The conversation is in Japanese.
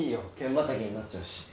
またぎになっちゃうし。